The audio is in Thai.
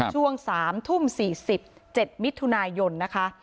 ช่วง๓๑๐๒๐๑๗มิทวนาย่นนะคะ